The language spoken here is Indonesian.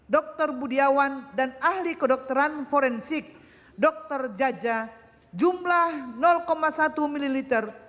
dr budiawan dan ahli kedokteran forensik dr jaja jumlah satu mililiter